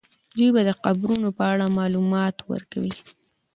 دوی به د قبرونو په اړه معلومات ورکوي.